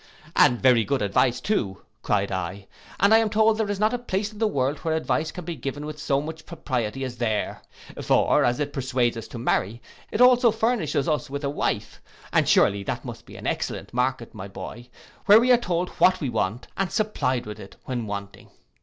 'And very good advice too,' cried I, 'and I am told there is not a place in the world where advice can be given with so much propriety as there; for, as it persuades us to marry, it also furnishes us with a wife; and surely that must be an excellent market, my boy, where we are told what we want, and supplied with it when wanting.